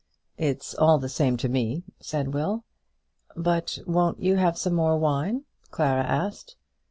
"It's all the same to me," said Will. "But won't you have some more wine?" Clara asked.